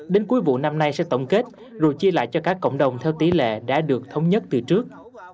đến cuối vụ năm nay sẽ tổng kết rồi chia lại cho các cộng đồng theo tỷ lệ đã được thống nhất từ trước